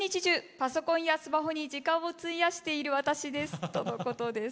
パソコンやスマホに時間を費やしている私ですとのことです。